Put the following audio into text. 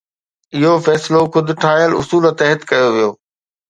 اهو فيصلو خود ٺاهيل اصول تحت ڪيو ويو